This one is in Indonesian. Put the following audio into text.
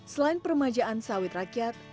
selain permajaan sawit rakyat